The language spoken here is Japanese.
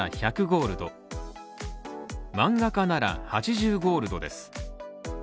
ゴールド漫画家なら８０ゴールドです。